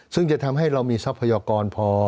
ซึ่งจะทำให้เรามีทรัพยากรพอ